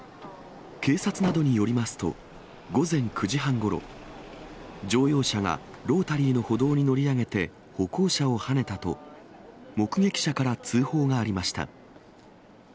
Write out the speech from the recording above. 警察などによりますと、午前９時半ごろ、乗用車がロータリーの歩道に乗り上げて、歩行者をはねたと目撃者から通報がありました。